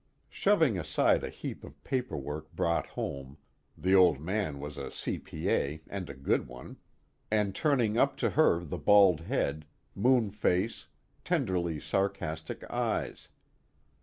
Shoving aside a heap of paper work brought home the old man was a C.P.A. and a good one and turning up to her the bald head, moon face, tenderly sarcastic eyes.